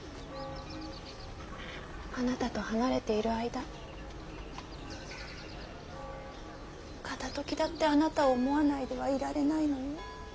あなたと離れている間片ときだってあなたを思わないではいられないのよ。